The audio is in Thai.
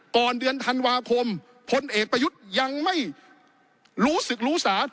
ก่อนเดือนธันวาคมพลเอกประยุทธ์ยังไม่รู้สึกรู้สา